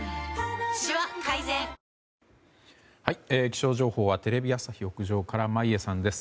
気象情報はテレビ朝日屋上から眞家さん。